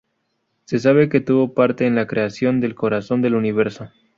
Se sabe que tuvo parte en la creación del Corazón del Universo.